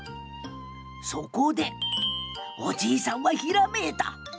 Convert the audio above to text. そこでおじいさんはひらめいた。